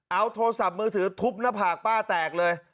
เอาโทรศัพท์มือถือทุบหน้าผากป้าแตกเลย